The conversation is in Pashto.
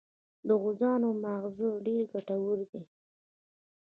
د غوزانو مغز ډیر ګټور دی.